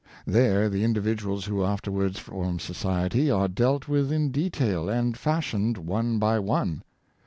There the individuals who afterwards form society are dealt with in detail, and fashioned one by one.